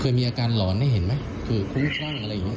เคยมีอาการหลอนให้เห็นไหมคือคลุ้มคลั่งอะไรอย่างนี้